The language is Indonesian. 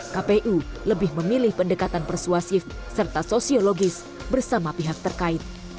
kpu lebih memilih pendekatan persuasif serta sosiologis bersama pihak terkait